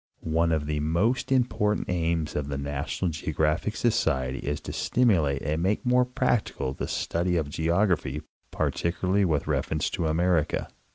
One of the most important aims of the NATIONAL GEOGRAPHIC Socrery is to stimulate and make more practical the study of geography, particularly with reference to America.